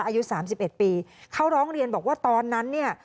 อายุสามสิบเอ็ดปีเขาร้องเรียนบอกว่าตอนนั้นเนี่ย